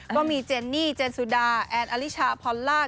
ก็มีเจนนี่เจนสุดาแอนอลิชาพรล่า